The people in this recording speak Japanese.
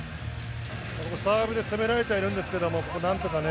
サーブで攻められてはいるんですけれど、何とかね。